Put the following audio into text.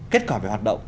kết quả về hoạt động